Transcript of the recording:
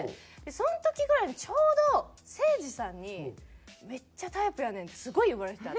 その時ぐらいにちょうどせいじさんに「めっちゃタイプやねん」ってすごい言われてて私。